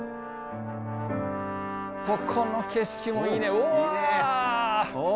ここの景色もいいねお！